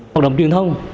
hội đồng truyền thông